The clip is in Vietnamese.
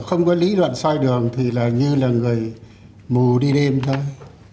không có lý luận xoay đường thì như là người mù đi đêm thôi